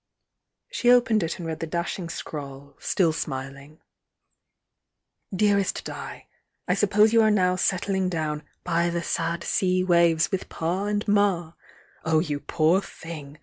She opened it and read the dashing scrawl, still smiling. "Dbabbst Di, "I suppose you are now settling down by the sad sea waves' with Pa and Ma! Oh, you poor thing!